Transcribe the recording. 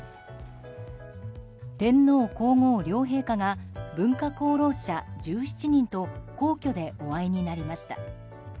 天皇・皇后両陛下が文化功労者１７人と皇居でお会いになりました。